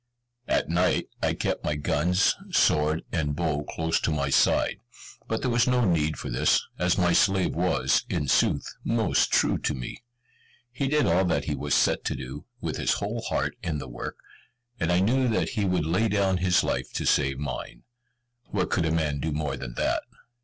At night, I kept my guns, sword, and bow close to my side; but there was no need for this, as my slave was, in sooth, most true to me. He did all that he was set to do, with his whole heart in the work; and I knew that he would lay down his life to save mine. What could a man do more than that?